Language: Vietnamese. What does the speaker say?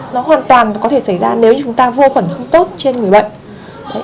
nó hoàn toàn có thể xảy ra nếu chúng ta vô khuẩn không tốt trên người bệnh